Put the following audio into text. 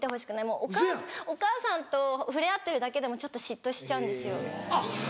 もうお母さんと触れ合ってるだけでもちょっと嫉妬しちゃうんですよ。